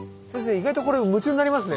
意外とこれ夢中になりますね。